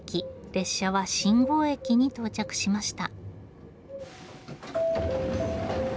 列車は新郷駅に到着しました。